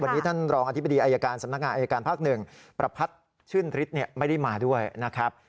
วันนี้ท่านรองอธิบดีอายการสำนักงานอายการภาค๑ประพัทธ์ชื่นฤทธิ์ไม่ได้มาด้วยนะครับ